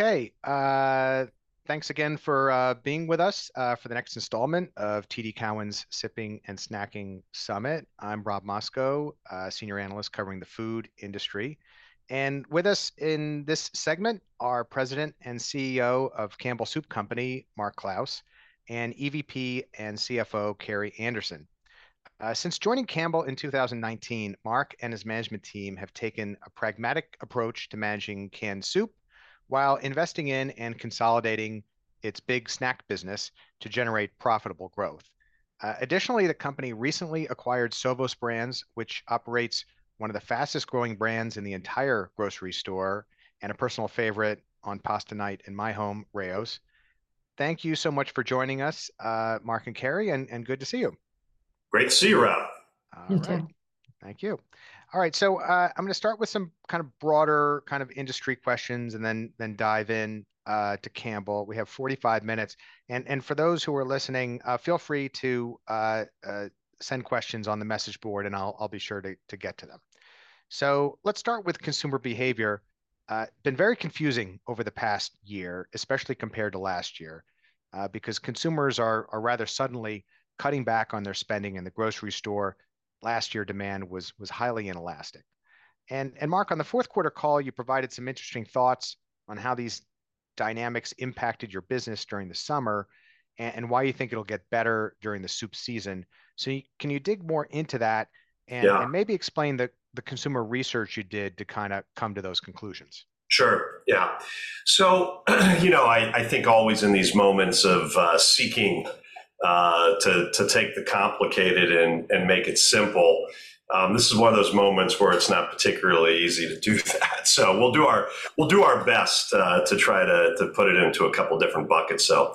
Okay, thanks again for being with us for the next installment of TD Cowen’s Sipping and Snacking Summit. I'm Rob Moskow, a senior analyst covering the food industry. With us in this segment are President and CEO of Campbell's Soup Company, Mark Clouse, and EVP and CFO, Carrie Anderson. Since joining Campbell in 2019, Mark and his management team have taken a pragmatic approach to managing canned soup, while investing in and consolidating its big Snack business to generate profitable growth. Additionally, the company recently acquired Sovos Brands, which operates one of the fastest-growing brands in the entire grocery store, and a personal favorite on pasta night in my home, Rao's. Thank you so much for joining us, Mark and Carrie, and good to see you. Great to see you, Rob. You too. Thank you. All right, so I'm gonna start with some kind of broader kind of industry questions, and then dive in to Campbell. We have 45 minutes, and for those who are listening, feel free to send questions on the message board, and I'll be sure to get to them. So let's start with consumer behavior. Been very confusing over the past year, especially compared to last year, because consumers are rather suddenly cutting back on their spending in the grocery store. Last year, demand was highly inelastic. And Mark, on the fourth quarter call, you provided some interesting thoughts on how these dynamics impacted your business during the summer, and why you think it'll get better during the soup season. So can you dig more into that- Yeah and maybe explain the consumer research you did to kind of come to those conclusions? Sure, yeah. So, you know, I think always in these moments of seeking to take the complicated and make it simple, this is one of those moments where it's not particularly easy to do that. So we'll do our best to try to put it into a couple different buckets. So,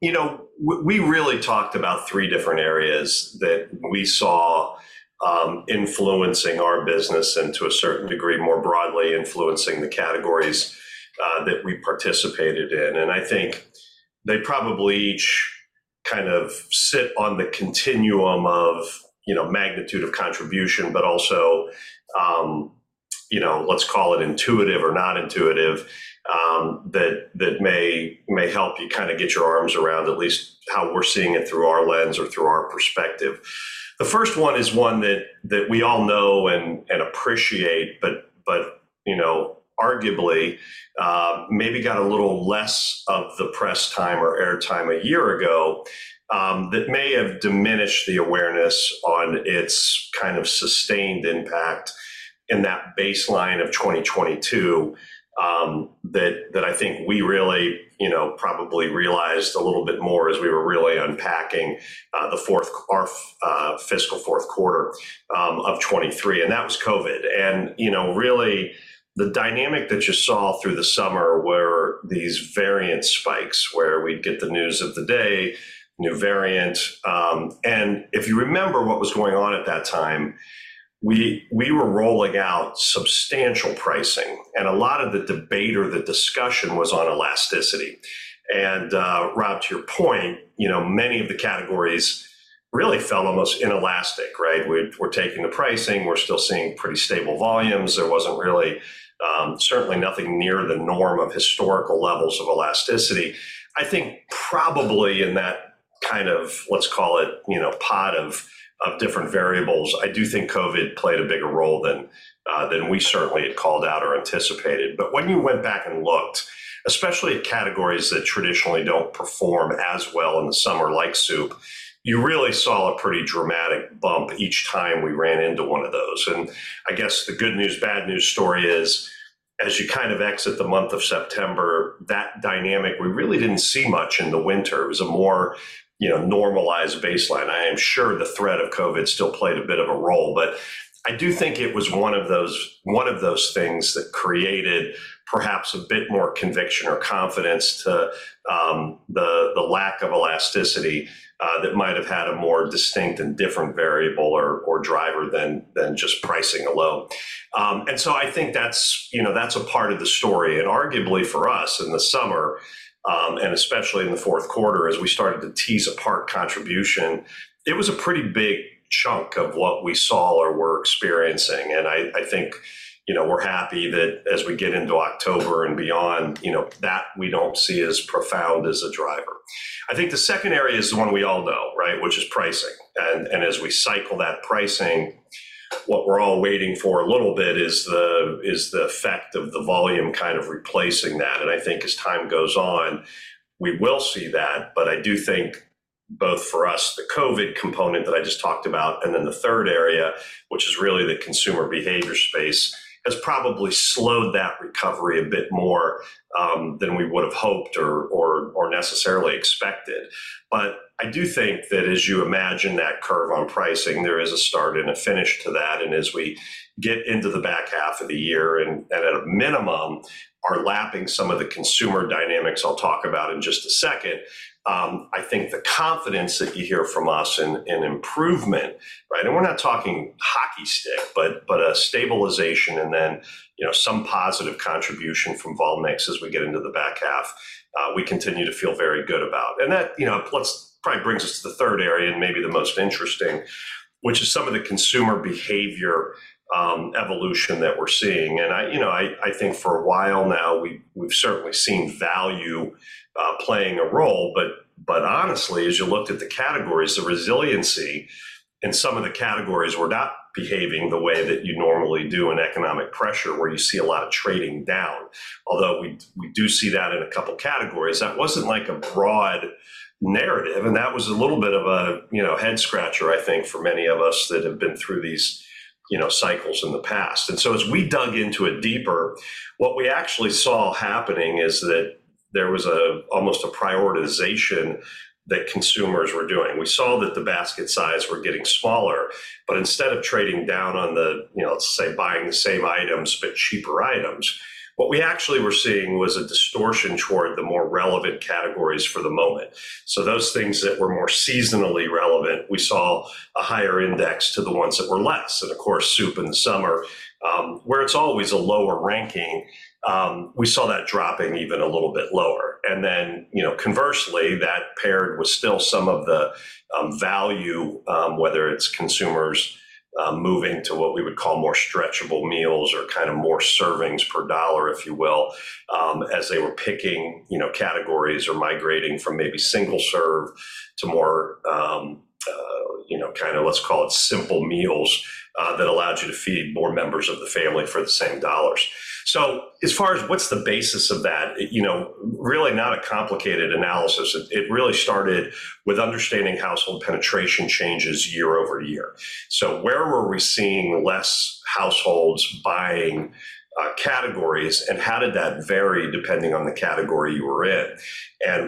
you know, we really talked about three different areas that we saw influencing our business, and to a certain degree, more broadly, influencing the categories that we participated in. And I think they probably each kind of sit on the continuum of, you know, magnitude of contribution, but also, you know, let's call it intuitive or not intuitive, that may help you kind of get your arms around at least how we're seeing it through our lens or through our perspective. The first one is one that we all know and appreciate, but, you know, arguably, maybe got a little less of the press time or airtime a year ago, that may have diminished the awareness on its kind of sustained impact in that baseline of 2022, that I think we really, you know, probably realized a little bit more as we were really unpacking, the fiscal fourth quarter of 2023, and that was COVID. You know, really, the dynamic that you saw through the summer were these variant spikes, where we'd get the news of the day, new variant, and if you remember what was going on at that time, we were rolling out substantial pricing, and a lot of the debate or the discussion was on elasticity. Rob, to your point, you know, many of the categories really felt almost inelastic, right? We're taking the pricing, we're still seeing pretty stable volumes. There wasn't really, certainly nothing near the norm of historical levels of elasticity. I think probably in that kind of, let's call it, you know, pot of different variables, I do think COVID played a bigger role than we certainly had called out or anticipated. But when you went back and looked, especially at categories that traditionally don't perform as well in the summer, like soup, you really saw a pretty dramatic bump each time we ran into one of those. And I guess the good news, bad news story is, as you kind of exit the month of September, that dynamic, we really didn't see much in the winter. It was a more, you know, normalized baseline. I am sure the threat of COVID still played a bit of a role, but I do think it was one of those things that created perhaps a bit more conviction or confidence to the lack of elasticity that might have had a more distinct and different variable or driver than just pricing alone. and so I think that's, you know, that's a part of the story, and arguably for us, in the summer, and especially in the fourth quarter, as we started to tease apart contribution, it was a pretty big chunk of what we saw or were experiencing. And I, I think, you know, we're happy that as we get into October and beyond, you know, that we don't see as profound as a driver. I think the second area is the one we all know, right, which is pricing. And, and as we cycle that pricing, what we're all waiting for a little bit is the, is the effect of the volume kind of replacing that, and I think as time goes on, we will see that. But I do think, both for us, the COVID component that I just talked about, and then the third area, which is really the consumer behavior space, has probably slowed that recovery a bit more than we would've hoped or necessarily expected. But I do think that as you imagine that curve on pricing, there is a start and a finish to that, and as we get into the back half of the year, and at a minimum, are lapping some of the consumer dynamics I'll talk about in just a second. I think the confidence that you hear from us in improvement, right? And we're not talking hockey stick, but a stabilization and then, you know, some positive contribution from volume mix as we get into the back half, we continue to feel very good about. And that, you know, plus probably brings us to the third area, and maybe the most interesting, which is some of the consumer behavior evolution that we're seeing. And I, you know, think for a while now, we've certainly seen value playing a role, but honestly, as you looked at the categories, the resiliency in some of the categories were not behaving the way that you normally do in economic pressure, where you see a lot of trading down. Although we do see that in a couple categories, that wasn't like a broad narrative, and that was a little bit of a, you know, head scratcher, I think, for many of us that have been through these, you know, cycles in the past. As we dug into it deeper, what we actually saw happening is that there was almost a prioritization that consumers were doing. We saw that the basket size were getting smaller, but instead of trading down on the, you know, let's say, buying the same items, but cheaper items, what we actually were seeing was a distortion toward the more relevant categories for the moment. So those things that were more seasonally relevant, we saw a higher index to the ones that were less. And of course, soup in the summer, where it's always a lower ranking, we saw that dropping even a little bit lower. And then, you know, conversely, that paired with still some of the value, whether it's consumers moving to what we would call more stretchable meals or kind of more servings per dollar, if you will, as they were picking, you know, categories or migrating from maybe single serve to more, you know, kind of, let's call it simple meals, that allowed you to feed more members of the family for the same dollars. So as far as what's the basis of that, you know, really not a complicated analysis. It really started with understanding household penetration changes year over year. So where were we seeing less households buying categories, and how did that vary depending on the category you were in?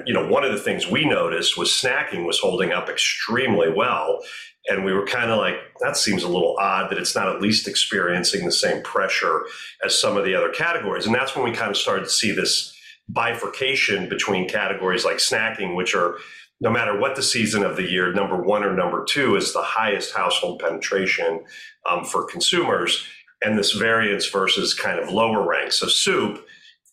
You know, one of the things we noticed was snacking was holding up extremely well, and we were kind of like, "That seems a little odd, that it's not at least experiencing the same pressure as some of the other categories." And that's when we kind of started to see this bifurcation between categories like Snacking, which are, no matter what the season of the year, number 1 or number 2, is the highest household penetration for consumers, and this variance versus kind of lower ranks. So soup,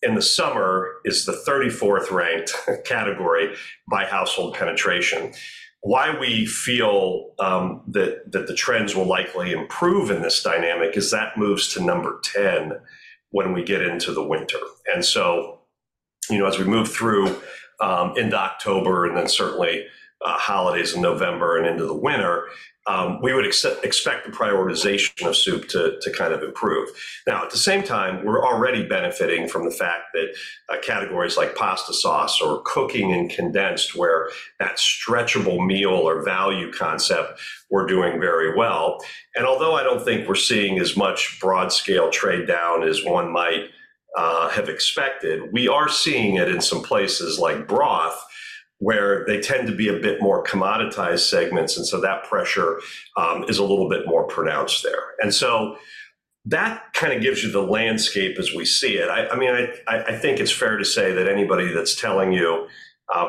in the summer, is the 34th ranked category by household penetration. Why we feel that the trends will likely improve in this dynamic is that moves to number 10 when we get into the winter. And so, you know, as we move through into October, and then certainly holidays in November and into the winter, we would expect the prioritization of soup to kind of improve. Now, at the same time, we're already benefiting from the fact that categories like Pasta Sauce or Cooking and Condensed, where that stretchable meal or value concept were doing very well. And although I don't think we're seeing as much broad-scale trade down as one might have expected, we are seeing it in some places like broth, where they tend to be a bit more commoditized segments, and so that pressure is a little bit more pronounced there. And so that kind of gives you the landscape as we see it. I mean, I think it's fair to say that anybody that's telling you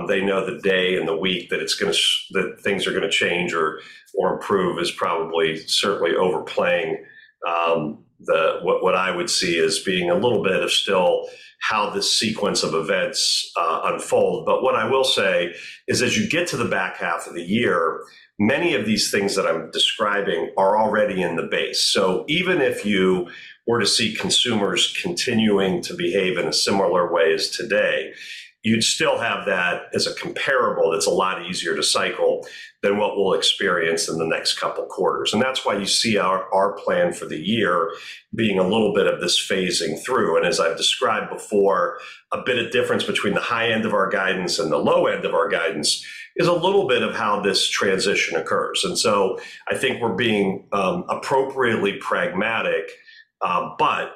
they know the day and the week that it's gonna – that things are gonna change or improve is probably certainly overplaying what I would see as being a little bit of still how this sequence of events unfold. But what I will say is, as you get to the back half of the year, many of these things that I'm describing are already in the base. So even if you were to see consumers continuing to behave in a similar way as today, you'd still have that as a comparable that's a lot easier to cycle than what we'll experience in the next couple quarters. And that's why you see our plan for the year being a little bit of this phasing through. As I've described before, a bit of difference between the high end of our guidance and the low end of our guidance is a little bit of how this transition occurs. So I think we're being appropriately pragmatic, but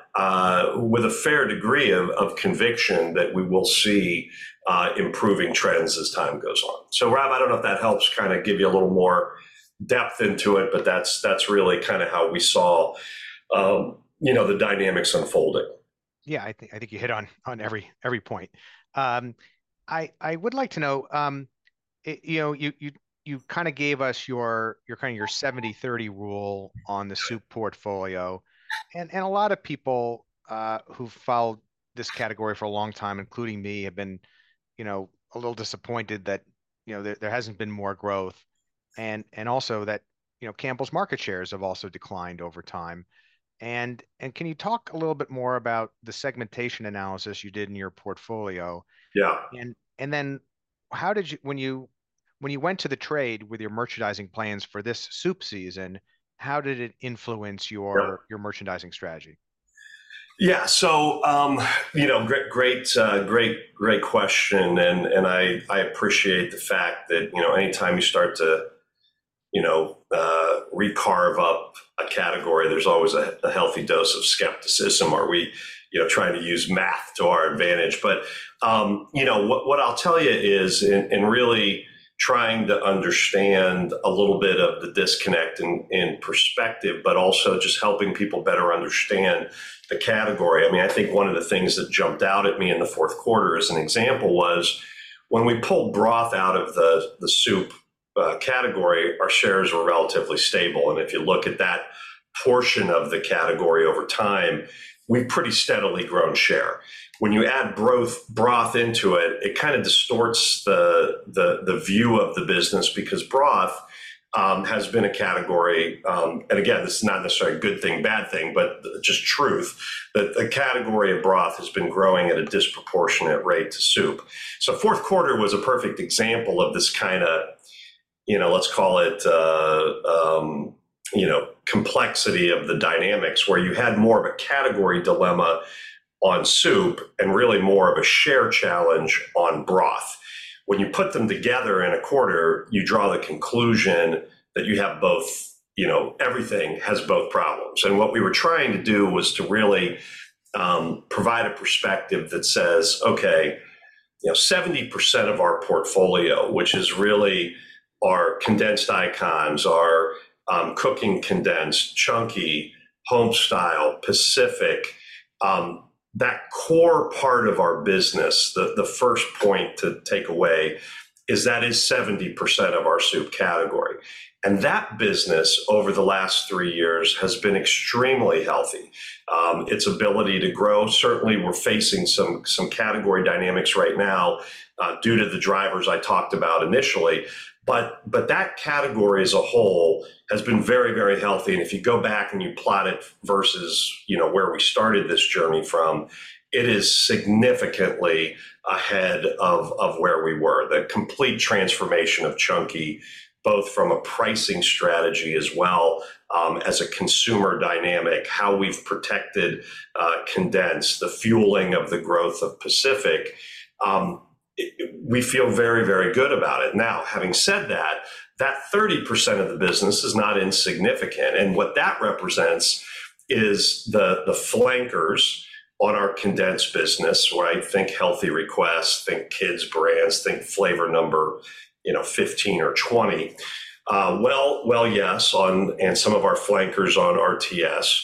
with a fair degree of conviction that we will see improving trends as time goes on. So, Rob, I don't know if that helps kind of give you a little more depth into it, but that's really kind of how we saw, you know, the dynamics unfolding. Yeah, I think, I think you hit on, on every, every point. I would like to know, you know, you, you, you kind of gave us your, your kind of your 70/30 rule on the soup portfolio. And, and a lot of people who've followed this category for a long time, including me, have been, you know, a little disappointed that, you know, there, there hasn't been more growth and, and also that, you know, Campbell's market shares have also declined over time. And, and can you talk a little bit more about the segmentation analysis you did in your portfolio? Yeah. How did you, when you went to the trade with your merchandising plans for this soup season, how did it influence your- Yeah your merchandising strategy? Yeah, so, you know, great, great, great, great question, and, and I, I appreciate the fact that, you know, anytime you start to, you know, recarve up a category, there's always a, a healthy dose of skepticism. Are we, you know, trying to use math to our advantage? But, you know, what, what I'll tell you is, trying to understand a little bit of the disconnect in, in perspective, but also just helping people better understand the category. I mean, I think one of the things that jumped out at me in the fourth quarter as an example, was when we pulled broth out of the, the soup, category, our shares were relatively stable. And if you look at that portion of the category over time, we've pretty steadily grown share. When you add broth into it, it kind of distorts the view of the business because broth has been a category, and again, this is not necessarily a good thing, bad thing, but just truth, that the category of broth has been growing at a disproportionate rate to soup. So fourth quarter was a perfect example of this kind of, you know, let's call it, you know, complexity of the dynamics, where you had more of a category dilemma on soup and really more of a share challenge on broth. When you put them together in a quarter, you draw the conclusion that you have both, you know, everything has both problems. What we were trying to do was to really provide a perspective that says, "Okay, you know, 70% of our portfolio, which is really our condensed icons, our cooking Condensed, Chunky, Homestyle, Pacific, that core part of our business, the first point to take away is that is 70% of our soup category." That business, over the last three years, has been extremely healthy. Its ability to grow, certainly we're facing some category dynamics right now, due to the drivers I talked about initially, but that category as a whole has been very, very healthy. If you go back and you plot it versus, you know, where we started this journey from, it is significantly ahead of where we were. The complete transformation of Chunky, both from a pricing strategy as well as a consumer dynamic, how we've protected Condensed, the fueling of the growth of Pacific, we feel very, very good about it. Now, having said that, that 30% of the business is not insignificant, and what that represents is the flankers on our Condensed business, where I think Healthy Request, think kids brands, think flavor number, you know, 15 or 20. And some of our flankers on RTS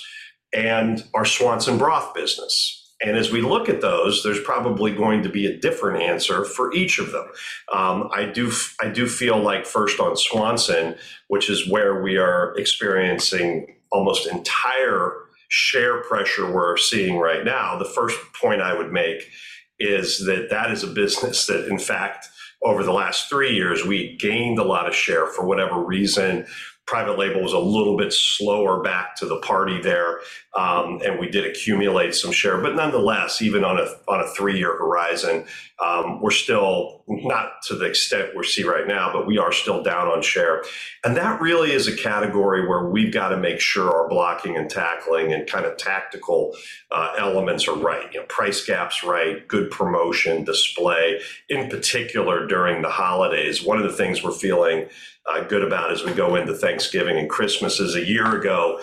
and our Swanson Broth business, and as we look at those, there's probably going to be a different answer for each of them. I do feel like first on Swanson, which is where we are experiencing almost entire share pressure we're seeing right now, the first point I would make is that that is a business that, in fact, over the last three years, we gained a lot of share. For whatever reason, private label was a little bit slower back to the party there, and we did accumulate some share, but nonetheless, even on a three-year horizon, we're still, not to the extent we're seeing right now, but we are still down on share. And that really is a category where we've got to make sure our blocking and tackling and kind of tactical elements are right. You know, price gap's right, good promotion, display. In particular, during the holidays, one of the things we're feeling good about as we go into Thanksgiving and Christmas is a year ago,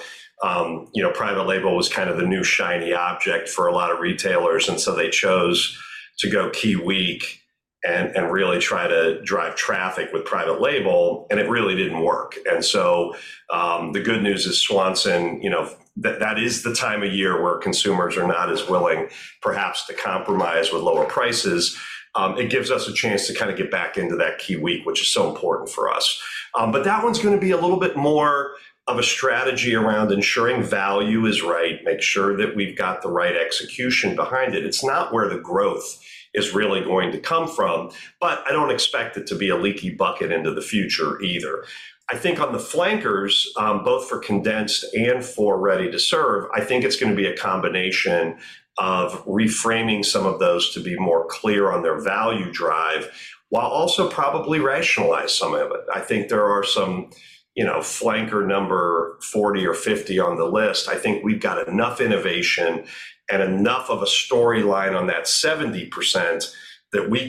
you know, private label was kind of the new shiny object for a lot of retailers, and so they chose to go key week and really try to drive traffic with private label, and it really didn't work. And so, the good news is, Swanson, you know, that is the time of year where consumers are not as willing, perhaps, to compromise with lower prices. It gives us a chance to kind of get back into that key week, which is so important for us. But that one's gonna be a little bit more of a strategy around ensuring value is right, make sure that we've got the right execution behind it. It's not where the growth is really going to come from, but I don't expect it to be a leaky bucket into the future either. I think on the flankers, both for Condensed and for ready to serve, I think it's gonna be a combination of reframing some of those to be more clear on their value drive, while also probably rationalize some of it. I think there are some, you know, flanker number 40 or 50 on the list. I think we've got enough innovation and enough of a storyline on that 70%, that we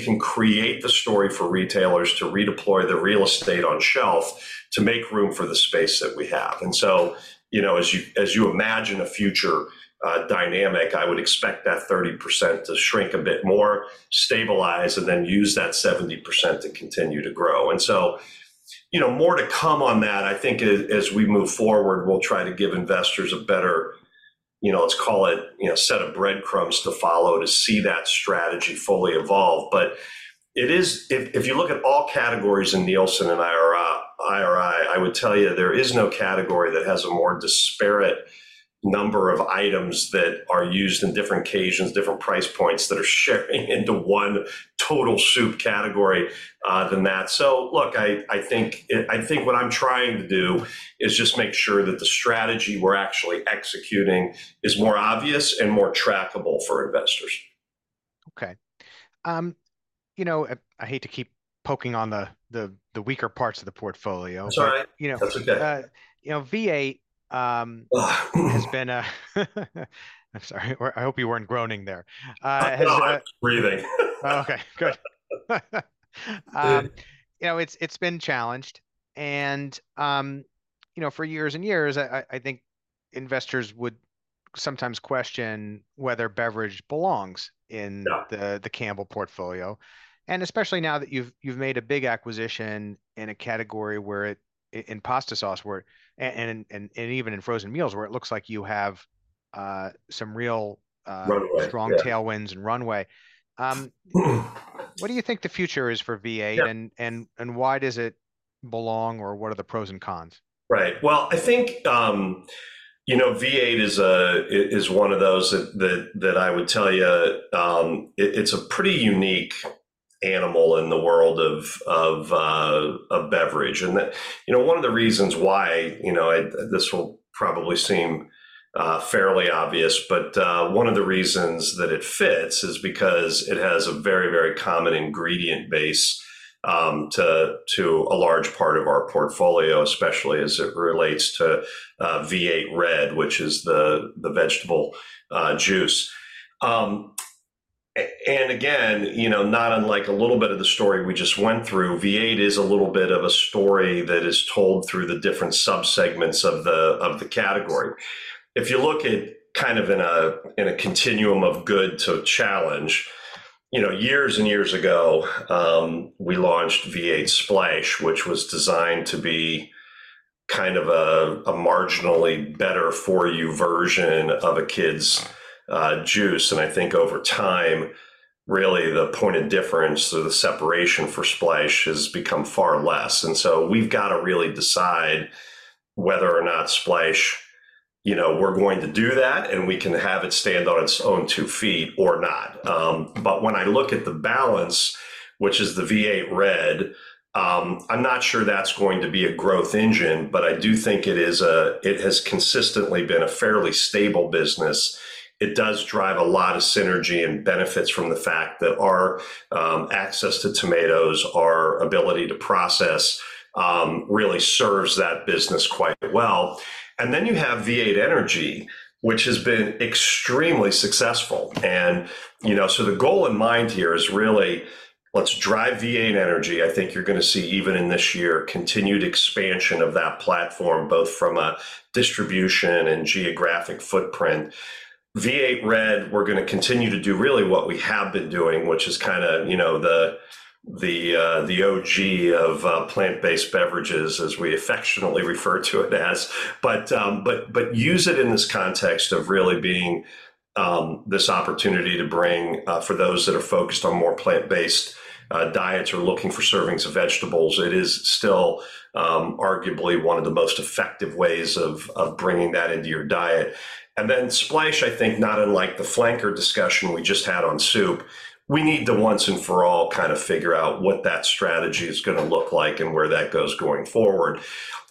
can create the story for retailers to redeploy the real estate on shelf to make room for the space that we have. And so, you know, as you imagine a future dynamic, I would expect that 30% to shrink a bit more, stabilize, and then use that 70% to continue to grow. And so, you know, more to come on that. I think as we move forward, we'll try to give investors a better, you know, let's call it, you know, set of breadcrumbs to follow to see that strategy fully evolve. But it is, if you look at all categories in Nielsen and IRI, IRI, I would tell you, there is no category that has a more disparate number of items that are used in different occasions, different price points, that are sharing into one total soup category than that. So look, I think what I'm trying to do is just make sure that the strategy we're actually executing is more obvious and more trackable for investors. Okay. You know, I hate to keep poking on the weaker parts of the portfolio. That's all right. You know- That's okay. You know, V8 has been. I'm sorry. I hope you weren't groaning there. Has... No, I was breathing. Okay, good. You know, it's been challenged and, you know, for years and years, I think investors would sometimes question whether beverage belongs in- Yeah the Campbell portfolio, and especially now that you've made a big acquisition in a category where, in pasta sauce, where and even in frozen meals, where it looks like you have some real Runway. Yeah strong tailwinds and runway. What do you think the future is for V8? Yeah. Why does it belong, or what are the pros and cons? Right. Well, I think, you know, V8 is one of those that I would tell you, it, it's a pretty unique animal in the world of beverage. And that, you know, one of the reasons why, you know, this will probably seem fairly obvious, but, one of the reasons that it fits is because it has a very, very common ingredient base, to a large part of our portfolio, especially as it relates to V8 Red, which is the vegetable juice. And again, you know, not unlike a little bit of the story we just went through, V8 is a little bit of a story that is told through the different subsegments of the category. If you look at kind of in a continuum of good to challenge, you know, years and years ago, we launched V8 Splash, which was designed to be kind of a marginally better-for-you version of a kid's juice. And I think over time, really, the point of difference or the separation for Splash has become far less, and so we've got to really decide whether or not Splash, you know, we're going to do that, and we can have it stand on its own two feet or not. But when I look at the balance, which is the V8 Red, I'm not sure that's going to be a growth engine, but I do think it is, it has consistently been a fairly stable business. It does drive a lot of synergy and benefits from the fact that our access to tomatoes, our ability to process really serves that business quite well. And then you have V8 Energy, which has been extremely successful. And, you know, so the goal in mind here is really let's drive V8 Energy. I think you're gonna see, even in this year, continued expansion of that platform, both from a distribution and geographic footprint. V8 Red, we're gonna continue to do really what we have been doing, which is kind of, you know, the the OG of plant-based beverages, as we affectionately refer to it as. But use it in this context of really being this opportunity to bring for those that are focused on more plant-based diets or looking for servings of vegetables, it is still arguably one of the most effective ways of bringing that into your diet. And then Splash, I think not unlike the flanker discussion we just had on soup, we need to once and for all kind of figure out what that strategy is gonna look like and where that goes going forward.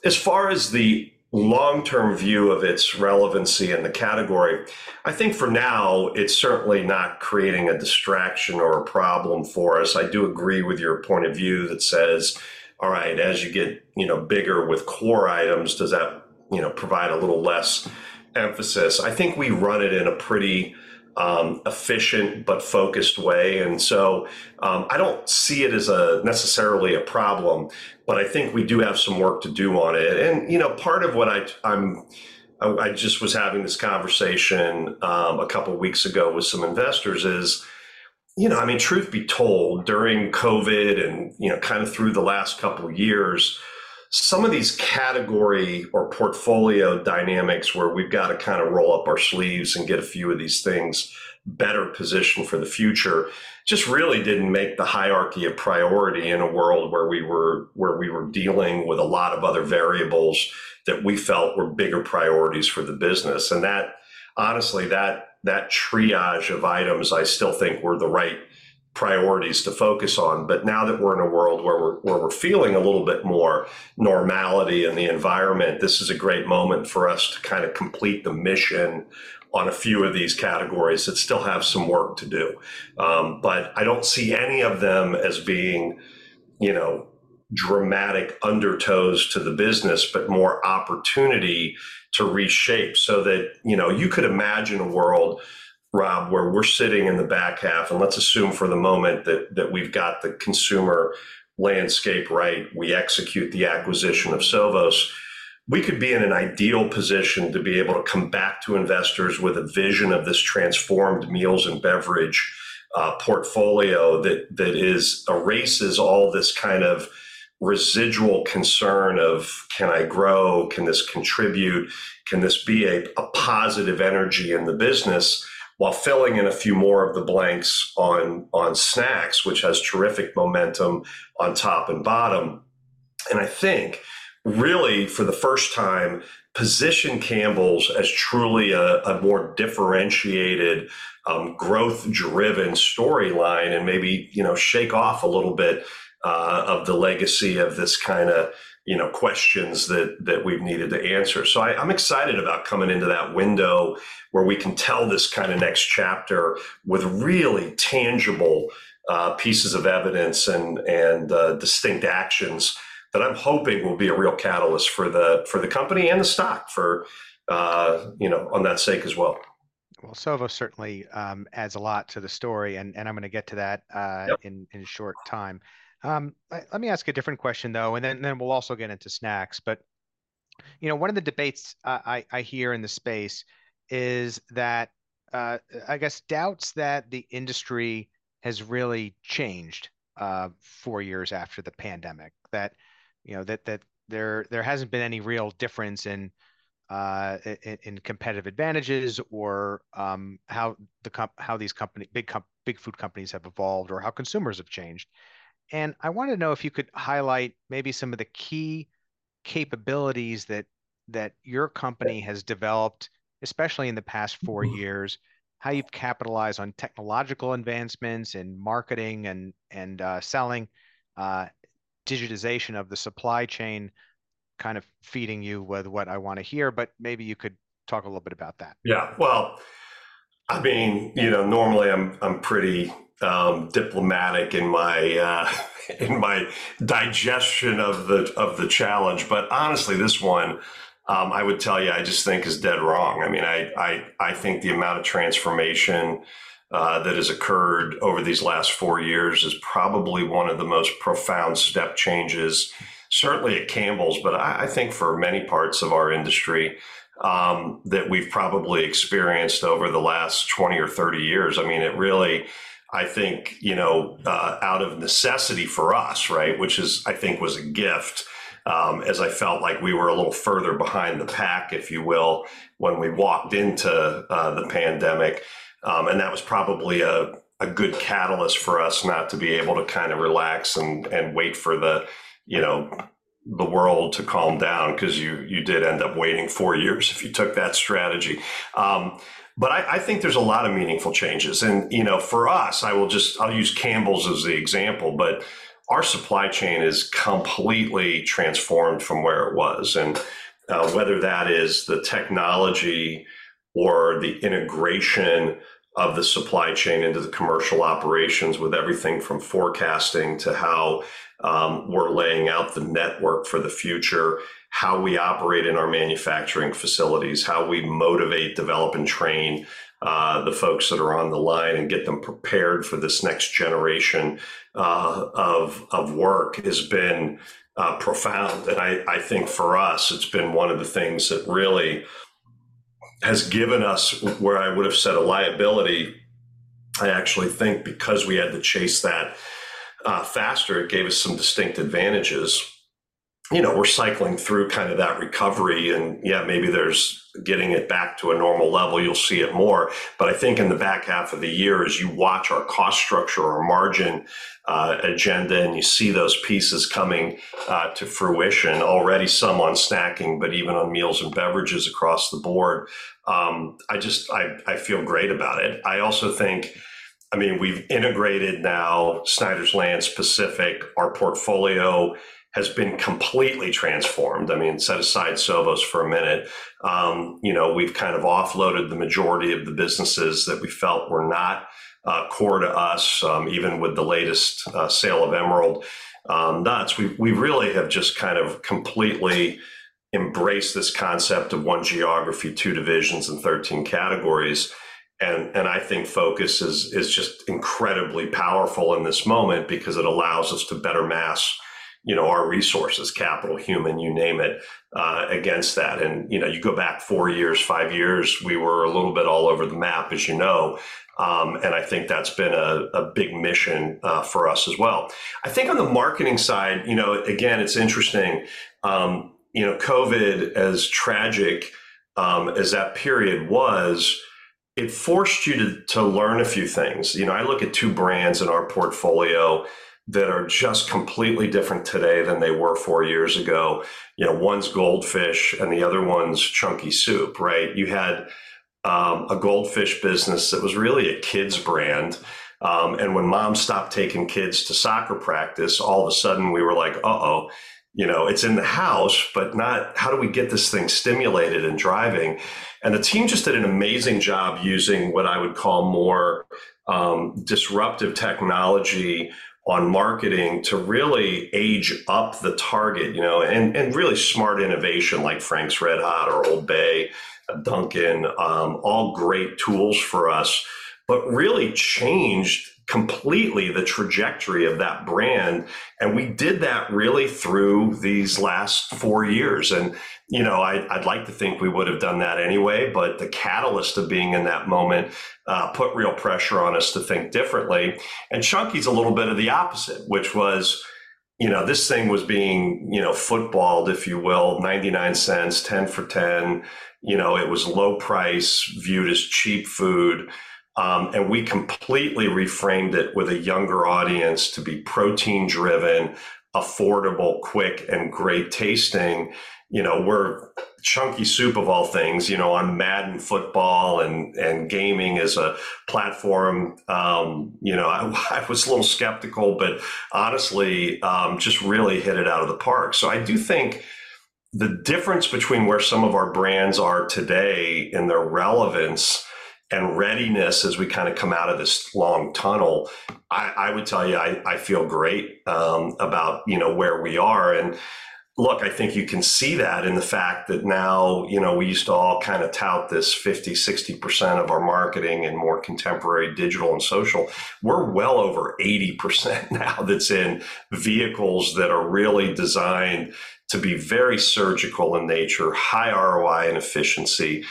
As far as the long-term view of its relevancy in the category, I think for now, it's certainly not creating a distraction or a problem for us. I do agree with your point of view that says, all right, as you get, you know, bigger with core items, does that, you know, provide a little less emphasis? I think we run it in a pretty efficient but focused way, and so I don't see it as a necessarily a problem, but I think we do have some work to do on it. You know, part of what I just was having this conversation a couple of weeks ago with some investors is, you know, I mean, truth be told, during COVID and, you know, kind of through the last couple of years, some of these category or portfolio dynamics where we've got to kind of roll up our sleeves and get a few of these things better positioned for the future. Just really didn't make the hierarchy a priority in a world where we were dealing with a lot of other variables that we felt were bigger priorities for the business. And that, honestly, that triage of items I still think were the right priorities to focus on. But now that we're in a world where we're feeling a little bit more normality in the environment, this is a great moment for us to kind of complete the mission on a few of these categories that still have some work to do. But I don't see any of them as being, you know, dramatic undertows to the business, but more opportunity to reshape so that, you know, you could imagine a world, Rob, where we're sitting in the back half, and let's assume for the moment that we've got the consumer landscape right, we execute the acquisition of Sovos, we could be in an ideal position to be able to come back to investors with a vision of this transformed meals and beverage portfolio that is erases all this kind of residual concern of, Can I grow? Can this contribute? Can this be a positive energy in the business? While filling in a few more of the blanks on Snacks, which has terrific momentum on top and bottom. And I think, really for the first time, position Campbell's as truly a more differentiated, growth-driven storyline and maybe, you know, shake off a little bit, of the legacy of this kind of, you know, questions that we've needed to answer. So I, I'm excited about coming into that window where we can tell this kind of next chapter with really tangible, pieces of evidence and, distinct actions that I'm hoping will be a real catalyst for the, for the company and the stock, for, you know, on that sake as well.... Well, Sovos certainly adds a lot to the story, and I'm gonna get to that. Yep... in a short time. Let me ask a different question, though, and then we'll also get into Snacks. But, you know, one of the debates I hear in the space is that, I guess, doubts that the industry has really changed four years after the pandemic, that, you know, there hasn't been any real difference in competitive advantages or how these big food companies have evolved or how consumers have changed. And I wanna know if you could highlight maybe some of the key capabilities that your company- Yep has developed, especially in the past four years. How you've capitalized on technological advancements, and marketing, and, and, selling, digitization of the supply chain, kind of feeding you with what I wanna hear, but maybe you could talk a little bit about that. Yeah, well, I mean, you know, normally, I'm pretty diplomatic in my digestion of the challenge, but honestly, this one, I would tell you, I just think is dead wrong. I mean, I think the amount of transformation that has occurred over these last four years is probably one of the most profound step changes, certainly at Campbell's, but I think for many parts of our industry that we've probably experienced over the last 20 or 30 years. I mean, it really, I think, you know, out of necessity for us, right, which is, I think, was a gift, as I felt like we were a little further behind the pack, if you will, when we walked into the pandemic. And that was probably a good catalyst for us not to be able to kind of relax and wait for the, you know, the world to calm down, 'cause you did end up waiting 4 years if you took that strategy. But I think there's a lot of meaningful changes. You know, for us, I'll use Campbell's as the example, but our supply chain is completely transformed from where it was, and whether that is the technology or the integration of the supply chain into the commercial operations, with everything from forecasting to how we're laying out the network for the future, how we operate in our manufacturing facilities, how we motivate, develop, and train the folks that are on the line and get them prepared for this next generation of work has been profound. And I think for us, it's been one of the things that really has given us, where I would've said a liability, I actually think because we had to chase that faster, it gave us some distinct advantages. You know, we're cycling through kind of that recovery, and yeah, maybe there's getting it back to a normal level, you'll see it more. But I think in the back half of the year, as you watch our cost structure, our margin agenda, and you see those pieces coming to fruition, already some on Snacking, but even on meals and beverages across the board, I just feel great about it. I also think, I mean, we've integrated now Snyder's-Lance specifically. Our portfolio has been completely transformed. I mean, set aside Sovos for a minute, you know, we've kind of offloaded the majority of the businesses that we felt were not core to us, even with the latest sale of Emerald Nuts. We've, we really have just kind of completely embraced this concept of one geography, two divisions, and 13 categories, and, and I think focus is, is just incredibly powerful in this moment because it allows us to better amass, you know, our resources, capital, human, you name it, against that. And, you know, you go back four years, five years, we were a little bit all over the map, as you know, and I think that's been a, a big mission, for us as well. I think on the marketing side, you know, again, it's interesting. You know, COVID, as tragic, as that period was, it forced you to, to learn a few things. You know, I look at two brands in our portfolio that are just completely different today than they were four years ago. You know, one's Goldfish and the other one's Chunky Soup, right? You had a Goldfish business that was really a kids' brand, and when moms stopped taking kids to soccer practice, all of a sudden we were like: Uh-oh, you know, it's in the house, but not... How do we get this thing stimulated and driving? And the team just did an amazing job using what I would call more disruptive technology on marketing to really age up the target, you know, and, and really smart innovation like Frank's RedHot or Old Bay, Dunkin', all great tools for us, but really changed completely the trajectory of that brand, and we did that really through these last four years. You know, I'd like to think we would have done that anyway, but the catalyst of being in that moment put real pressure on us to think differently. Chunky's a little bit of the opposite, which was, you know, this thing was being, you know, footballed, if you will, $0.99, 10 for $10. You know, it was low price, viewed as cheap food, and we completely reframed it with a younger audience to be protein-driven, affordable, quick and great tasting. You know, we're Chunky Soup of all things, you know, on Madden football and gaming as a platform. You know, I was a little skeptical, but honestly, just really hit it out of the park. So I do think-... The difference between where some of our brands are today and their relevance and readiness as we kind of come out of this long tunnel, I would tell you, I feel great about, you know, where we are. And look, I think you can see that in the fact that now, you know, we used to all kind of tout this 50-60% of our marketing in more contemporary digital and social. We're well over 80% now that's in vehicles that are really designed to be very surgical in nature, high ROI and efficiency.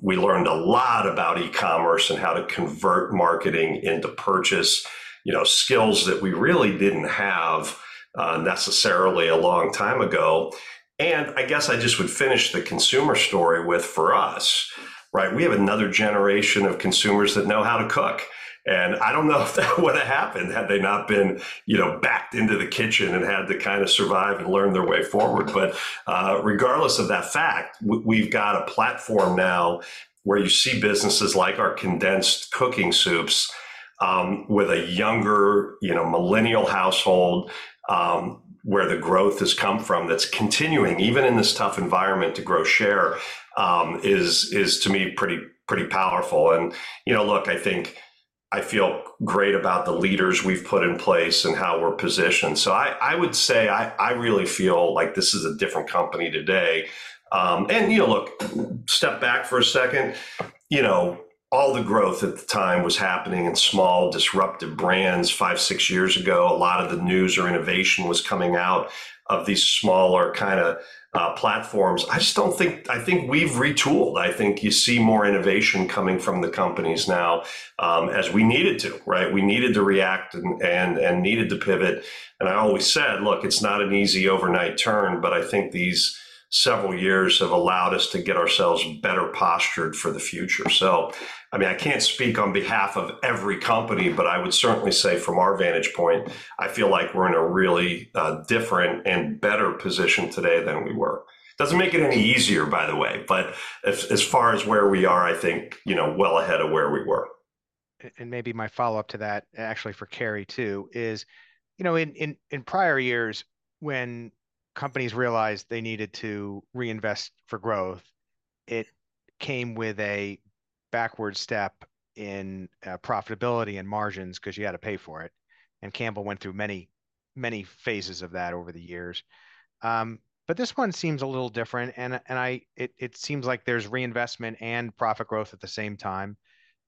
We learned a lot about e-commerce and how to convert marketing into purchase, you know, skills that we really didn't have necessarily a long time ago. And I guess I just would finish the consumer story with, for us, right? We have another generation of consumers that know how to cook, and I don't know if that would've happened had they not been, you know, backed into the kitchen and had to kind of survive and learn their way forward. But regardless of that fact, we've got a platform now where you see businesses like our condensed cooking soups with a younger, you know, millennial household where the growth has come from, that's continuing even in this tough environment to grow share, is to me pretty powerful. And, you know, look, I think I feel great about the leaders we've put in place and how we're positioned. So I would say I really feel like this is a different company today. And, you know, look, step back for a second. You know, all the growth at the time was happening in small, disruptive brands. 5, 6 years ago, a lot of the news or innovation was coming out of these smaller kind of platforms. I just don't think... I think we've retooled. I think you see more innovation coming from the companies now, as we needed to, right? We needed to react and, and, and needed to pivot. And I always said, "Look, it's not an easy overnight turn," but I think these several years have allowed us to get ourselves better postured for the future. So, I mean, I can't speak on behalf of every company, but I would certainly say from our vantage point, I feel like we're in a really different and better position today than we were. Doesn't make it any easier, by the way, but as far as where we are, I think, you know, well ahead of where we were. Maybe my follow-up to that, actually for Carrie, too, is, you know, in prior years, when companies realized they needed to reinvest for growth, it came with a backward step in profitability and margins 'cause you had to pay for it, and Campbell went through many, many phases of that over the years. But this one seems a little different, and it seems like there's reinvestment and profit growth at the same time.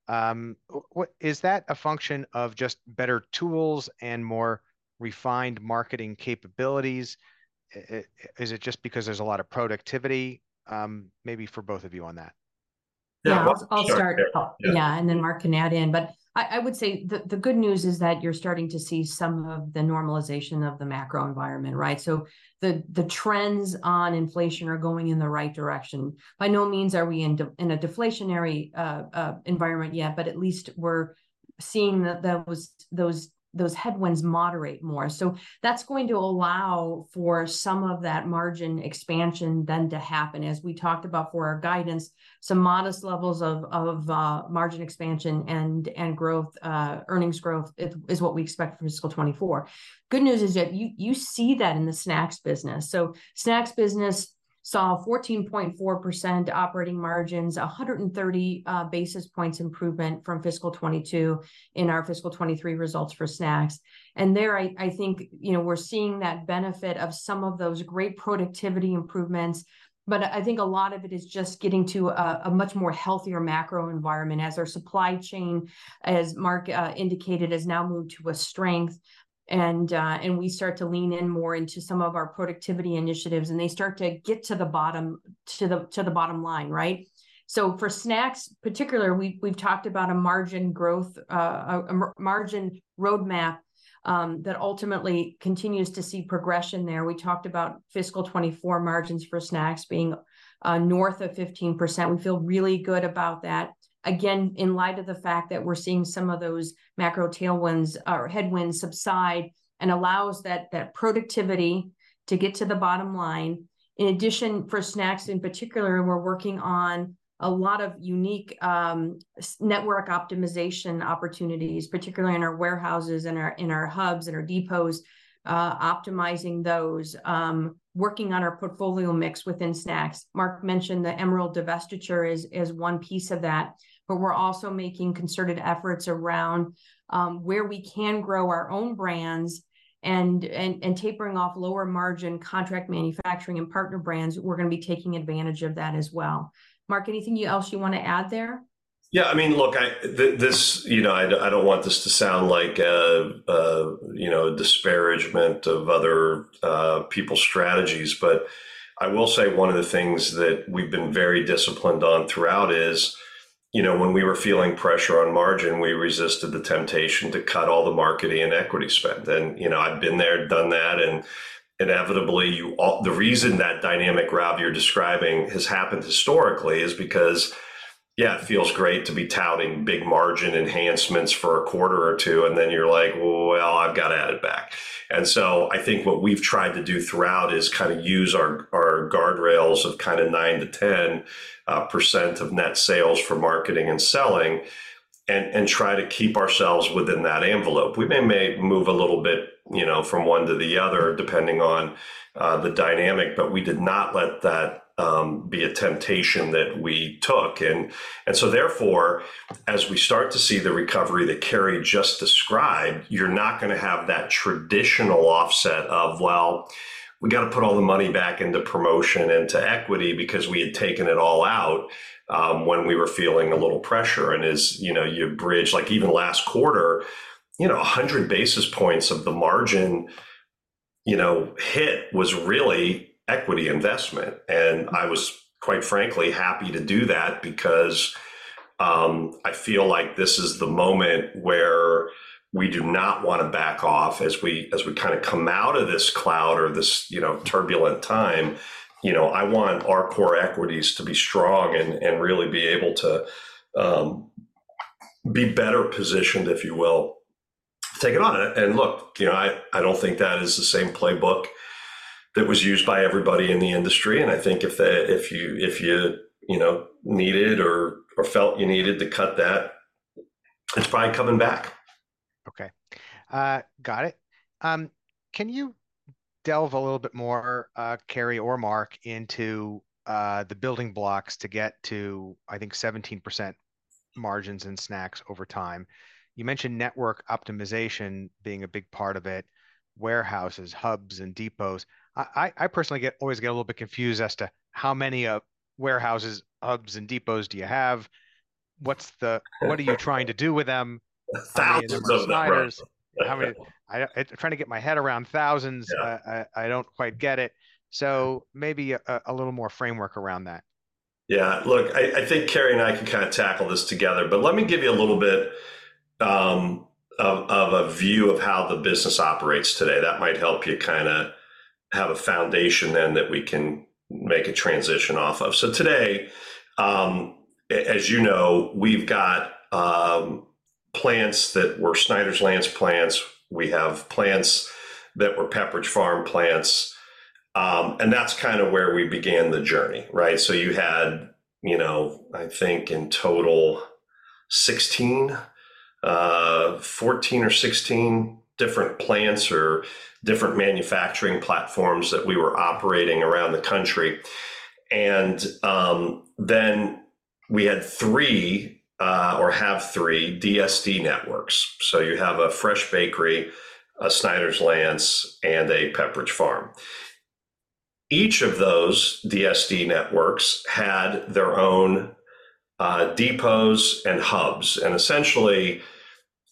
What is that a function of just better tools and more refined marketing capabilities? Is it just because there's a lot of productivity? Maybe for both of you on that. Yeah, I'll start. Sure. Yeah, and then Mark can add in. But I would say the good news is that you're starting to see some of the normalization of the macro environment, right? So the trends on inflation are going in the right direction. By no means are we in a deflationary environment yet, but at least we're seeing that those headwinds moderate more. So that's going to allow for some of that margin expansion then to happen. As we talked about for our guidance, some modest levels of margin expansion and growth, earnings growth is what we expect for fiscal 2024. Good news is that you see that in the Snacks business. So Snacks business saw 14.4% operating margins, 130 basis points improvement from fiscal 2022 in our fiscal 2023 results for Snacks. And there, I think, you know, we're seeing that benefit of some of those great productivity improvements. But I think a lot of it is just getting to a much more healthier macro environment as our supply chain, as Mark indicated, has now moved to a strength. And we start to lean in more into some of our productivity initiatives, and they start to get to the bottom, to the bottom line, right? So for Snacks particular, we've talked about a margin growth, a margin roadmap, that ultimately continues to see progression there. We talked about fiscal 2024 margins for Snacks being north of 15%. We feel really good about that, again, in light of the fact that we're seeing some of those macro tailwinds or headwinds subside and allows that, that productivity to get to the bottom line. In addition, for Snacks in particular, we're working on a lot of unique network optimization opportunities, particularly in our warehouses and our hubs and our depots, optimizing those, working on our portfolio mix within Snacks. Mark mentioned the Emerald divestiture is one piece of that, but we're also making concerted efforts around where we can grow our own brands and tapering off lower-margin contract manufacturing and partner brands. We're gonna be taking advantage of that as well. Mark, anything else you want to add there? Yeah, I mean, look, I, this, you know, I, I don't want this to sound like a, a, you know, a disparagement of other people's strategies, but I will say one of the things that we've been very disciplined on throughout is, you know, when we were feeling pressure on margin, we resisted the temptation to cut all the marketing and equity spend. And, you know, I've been there, done that, and inevitably, the reason that dynamic, Rob, you're describing has happened historically is because, yeah, it feels great to be touting big margin enhancements for a quarter or two, and then you're like, "Well, I've got to add it back." And so I think what we've tried to do throughout is kind of use our, our guardrails of kind of 9%-10% of net sales for marketing and selling. try to keep ourselves within that envelope. We may move a little bit, you know, from one to the other, depending on the dynamic, but we did not let that be a temptation that we took. And so therefore, as we start to see the recovery that Carrie just described, you're not gonna have that traditional offset of, well, we gotta put all the money back into promotion, into equity, because we had taken it all out when we were feeling a little pressure. And as, you know, you bridge, like, even last quarter, you know, 100 basis points of the margin, you know, hit was really equity investment. I was, quite frankly, happy to do that because I feel like this is the moment where we do not wanna back off as we, as we kind of come out of this cloud or this, you know, turbulent time. You know, I want our core equities to be strong and, and really be able to be better positioned, if you will, to take it on. And look, you know, I, I don't think that is the same playbook that was used by everybody in the industry, and I think if they- if you, if you, you know, needed or, or felt you needed to cut that, it's fine coming back. Okay. Got it. Can you delve a little bit more, Carrie or Mark, into the building blocks to get to, I think, 17% margins in Snacks over time? You mentioned network optimization being a big part of it, warehouses, hubs, and depots. I personally always get a little bit confused as to how many warehouses, hubs, and depots do you have? What are you trying to do with them? Thousands of them. How many... I'm trying to get my head around thousands. Yeah. I don't quite get it, so maybe a little more framework around that. Yeah, look, I think Carrie and I can kind of tackle this together, but let me give you a little bit of a view of how the business operates today that might help you kind of have a foundation then that we can make a transition off of. So today, as you know, we've got plants that were Snyder's-Lance plants, we have plants that were Pepperidge Farm plants, and that's kind of where we began the journey, right? So you had, you know, I think in total, 16, 14 or 16 different plants or different manufacturing platforms that we were operating around the country. And then we had three or have three DSD networks. So you have a Fresh Bakery, a Snyder's-Lance, and a Pepperidge Farm. Each of those DSD networks had their own, depots and hubs, and essentially,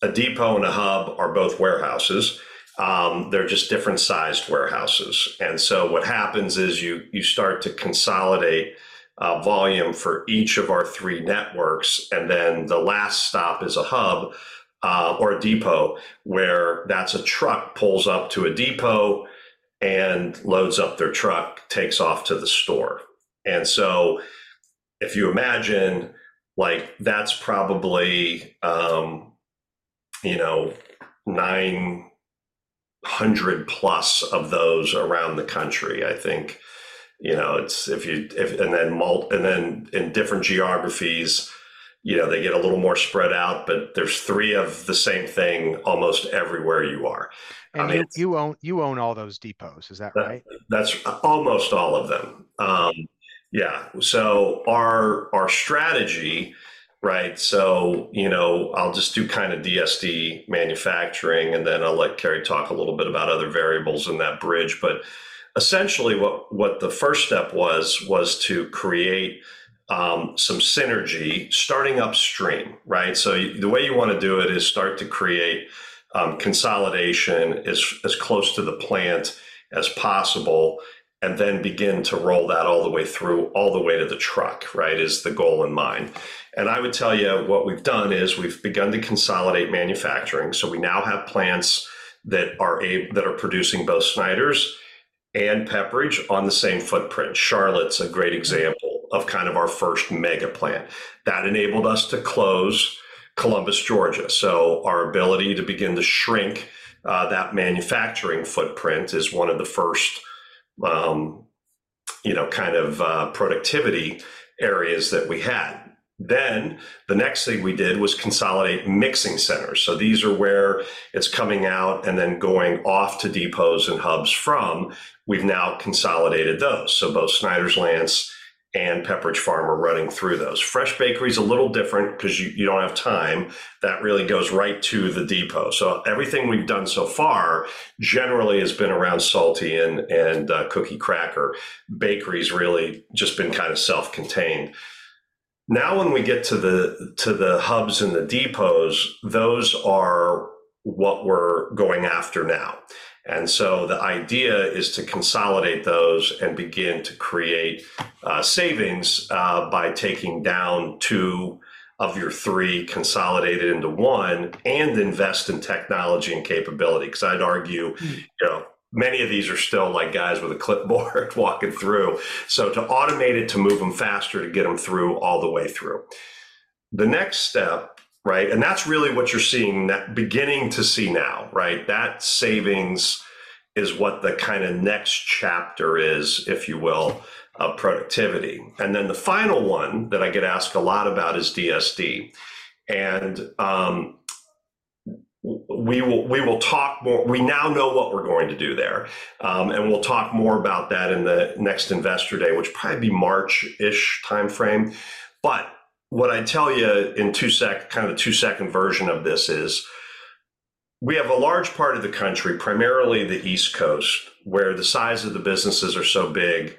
a depot and a hub are both warehouses. They're just different-sized warehouses. And so what happens is you start to consolidate, volume for each of our three networks, and then the last stop is a hub, or a depot, where that's a truck pulls up to a depot and loads up their truck, takes off to the store. And so if you imagine, like, that's probably, you know, 900+ of those around the country, I think. You know, and then in different geographies, you know, they get a little more spread out, but there's three of the same thing almost everywhere you are. You own, you own all those depots, is that right? That's almost all of them. Yeah, so our strategy, right, so, you know, I'll just do kind of DSD manufacturing, and then I'll let Carrie talk a little bit about other variables in that bridge. But essentially, what the first step was was to create some synergy starting upstream, right? So the way you wanna do it is start to create consolidation as close to the plant as possible, and then begin to roll that all the way through, all the way to the truck, right? Is the goal in mind. And I would tell you, what we've done is we've begun to consolidate manufacturing, so we now have plants that are producing both Snyder's and Pepperidge on the same footprint. Charlotte's a great example of kind of our first mega plant. That enabled us to close Columbus, Georgia. Our ability to begin to shrink that manufacturing footprint is one of the first, you know, kind of, productivity areas that we had. The next thing we did was consolidate mixing centers. So these are where it's coming out and then going off to depots and hubs from. We've now consolidated those, so both Snyder's-Lance and Pepperidge Farm are running through those. Fresh Bakery's a little different 'cause you don't have time. That really goes right to the depot. So everything we've done so far generally has been around salty and cookie, cracker. Bakery's really just been kind of self-contained. Now, when we get to the hubs and the depots, those are what we're going after now. And so the idea is to consolidate those and begin to create, savings, by taking down two of your three, consolidated into one, and invest in technology and capability, 'cause I'd argue- Mm... you know, many of these are still like guys with a clipboard walking through. So to automate it, to move them faster, to get them through, all the way through. The next step, right, and that's really what you're seeing, beginning to see now, right? That savings is what the kind of next chapter is, if you will, of productivity. And then the final one that I get asked a lot about is DSD. And we will talk more. We now know what we're going to do there, and we'll talk more about that in the next Investor Day, which will probably be March-ish timeframe. But what I'd tell you in two seconds—kind of a two-second version of this is, we have a large part of the country, primarily the East Coast, where the size of the businesses are so big,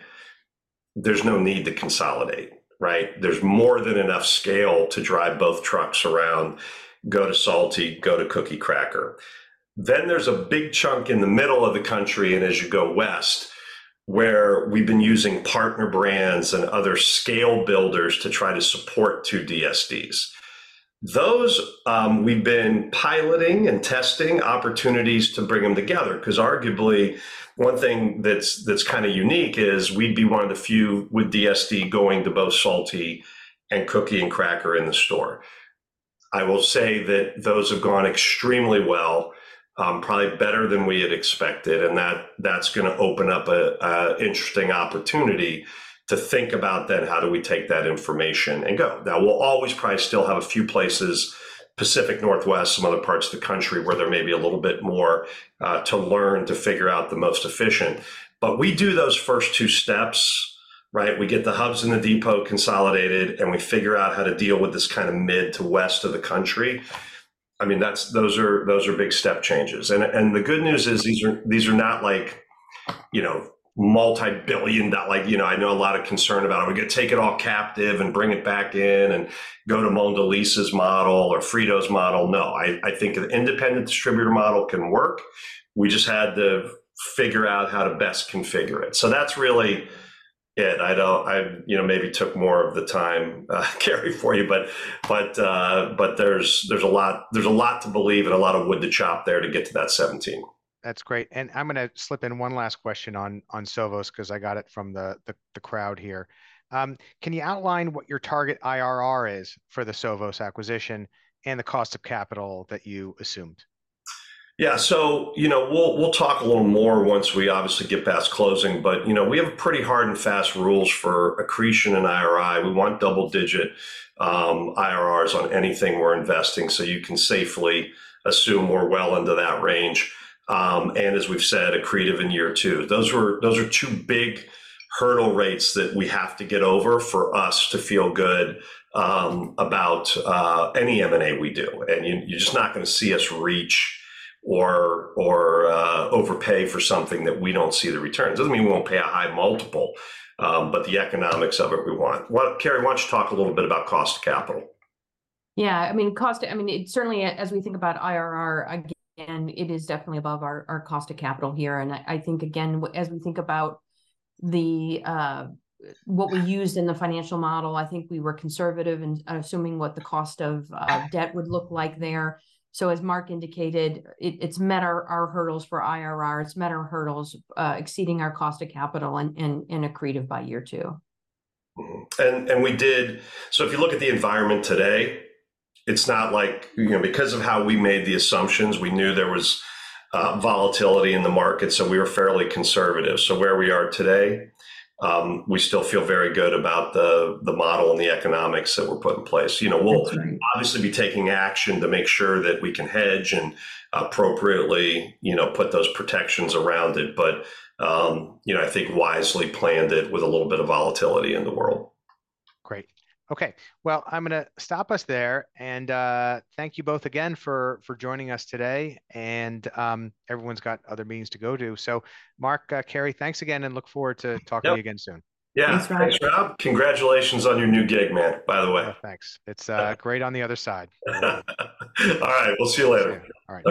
there's no need to consolidate, right? There's more than enough scale to drive both trucks around, go to salty, go to cookie cracker. Then there's a big chunk in the middle of the country, and as you go west, where we've been using partner brands and other scale builders to try to support two DSDs. Those, we've been piloting and testing opportunities to bring them together, 'cause arguably, one thing that's kind of unique is we'd be one of the few with DSD going to both salty and cookie and cracker in the store. I will say that those have gone extremely well, probably better than we had expected, and that, that's gonna open up a interesting opportunity to think about, then, how do we take that information and go? Now, we'll always probably still have a few places, Pacific Northwest, some other parts of the country, where there may be a little bit more to learn to figure out the most efficient. But we do those first two steps, right? We get the hubs and the depot consolidated, and we figure out how to deal with this kind of mid to west of the country. I mean, that's, those are, those are big step changes. And, and the good news is these are, these are not like, you know, multi-billion dollar. Like, you know, I know a lot of concern about, are we gonna take it all captive and bring it back in and go to Mondelez's model or Frito-Lay's model? No, I think an independent distributor model can work. We just had to figure out how to best configure it. So that's really it. I don't... I, you know, maybe took more of the time, Carrie, for you. But, but, but there's a lot to believe and a lot of wood to chop there to get to that 17. That's great, and I'm gonna slip in one last question on Sovos, 'cause I got it from the crowd here. Can you outline what your target IRR is for the Sovos acquisition and the cost of capital that you assumed? Yeah, so you know, we'll talk a little more once we obviously get past closing, but you know, we have pretty hard and fast rules for accretion and IRR. We want double-digit IRRs on anything we're investing, so you can safely assume we're well into that range. And as we've said, accretive in year two. Those are two big hurdle rates that we have to get over for us to feel good about any M&A we do, and you're just not gonna see us reach or overpay for something that we don't see the return. Doesn't mean we won't pay a high multiple, but the economics of it, we want. Well, Carrie, why don't you talk a little bit about cost of capital? Yeah, I mean, cost, I mean, it certainly, as we think about IRR, again, it is definitely above our, our cost of capital here, and I, I think, again, as we think about the what we used in the financial model, I think we were conservative in assuming what the cost of debt would look like there. So as Mark indicated, it's met our, our hurdles for IRR, it's met our hurdles, exceeding our cost of capital and, and, and accretive by year two. Mm-hmm, and we did. So if you look at the environment today, it's not like, you know, because of how we made the assumptions, we knew there was volatility in the market, so we were fairly conservative. So where we are today, we still feel very good about the model and the economics that were put in place. You know, we'll- Mm-hmm... obviously, be taking action to make sure that we can hedge and appropriately, you know, put those protections around it. But, you know, I think wisely planned it with a little bit of volatility in the world. Great. Okay, well, I'm gonna stop us there, and thank you both again for joining us today, and everyone's got other meetings to go to. So Mark, Carrie, thanks again, and look forward to talking to you again soon. Yep. Thanks, guys. Yeah, thanks, Rob. Congratulations on your new gig, man, by the way. Oh, thanks. It's great on the other side. All right, we'll see you later. See you. All right, bye.